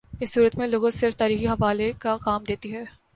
اس صورت میں لغت صرف تاریخی حوالے کا کام دیتی ہے۔